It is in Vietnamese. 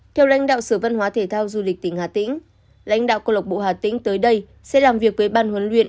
theo lãnh đạo sở văn hóa thể thao du lịch tỉnh hà tĩnh lãnh đạo câu lọc bộ hà tĩnh tới đây sẽ làm việc với ban huấn luyện